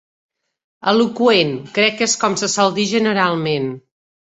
Eloqüent, crec, és com se sol dir generalment.